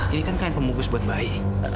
ini kan kain pemungkus buat bayi